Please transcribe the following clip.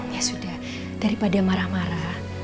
ya sudah daripada marah marah